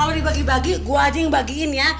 kalau dibagi bagi gue aja yang bagiin ya